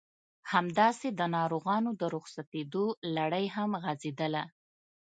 همداسې د ناروغانو د رخصتېدو لړۍ هم غزېدله.